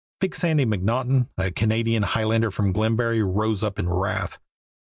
Big Sandy McNaughton, a Canadian Highlander from Glengarry, rose up in wrath.